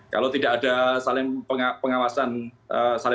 kalau tidak ada saling mengawasi